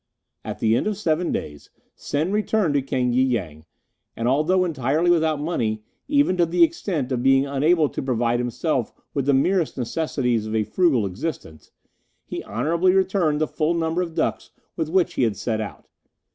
"At the end of seven days Sen returned to King y Yang, and although entirely without money, even to the extent of being unable to provide himself with the merest necessities of a frugal existence, he honourably returned the full number of ducks with which he had set out.